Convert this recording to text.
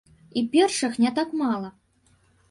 І першых не так мала.